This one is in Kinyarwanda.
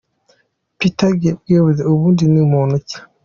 Peter Greenberg ubundi ni muntu ki?.